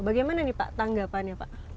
bagaimana nih pak tanggapannya pak